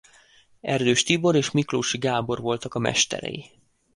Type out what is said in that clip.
Erdős Tibor és Miklóssy Gábor voltak a mesterei.